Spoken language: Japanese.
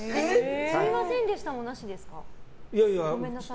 すみませんでしたもなしですか。